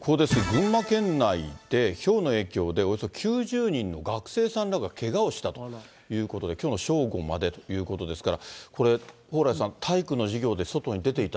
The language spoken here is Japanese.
群馬県内で、ひょうの影響でおよそ９０人の学生さんらがけがをしたということで、きょうの正午までということですから、これ、蓬莱さん、可能性はありますね。